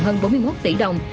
hơn bốn mươi một tỷ đồng